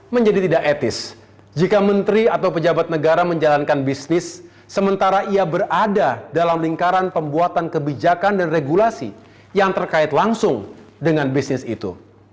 menjadi tidak etis jika menteri atau pejabat negara menjalankan bisnis sementara ia berada dalam lingkaran pembuatan kebijakan dan regulasi yang terkait langsung dengan bisnis itu